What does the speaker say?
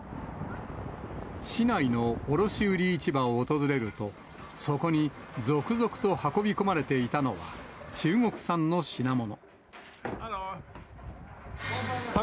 市内の卸売市場を訪れると、そこに続々と運び込まれていたのは、中国産の品物。